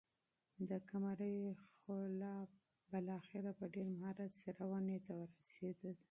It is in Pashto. د قمرۍ خلی بالاخره په ډېر مهارت سره ونې ته ورسېد.